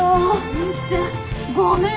全然。ごめん！